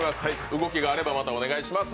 動きがあればまたお願いします。